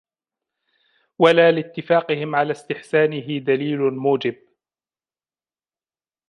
وَلَا لِاتِّفَاقِهِمْ عَلَى اسْتِحْسَانِهِ دَلِيلٌ مُوجِبٌ